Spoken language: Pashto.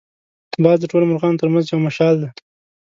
باز د ټولو مرغانو تر منځ یو مشال دی